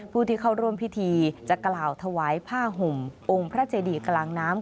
ผู้ที่เข้าร่วมพิธีจะกล่าวถวายผ้าห่มองค์พระเจดีกลางน้ำ